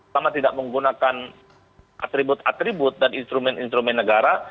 sama tidak menggunakan atribut atribut dan instrumen instrumen negara